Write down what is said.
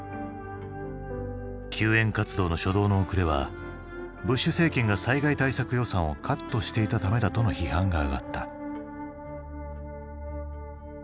救援活動の初動の遅れはブッシュ政権が災害対策予算をカットしていたためだとの批判が上がった。